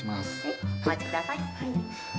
お待ちください。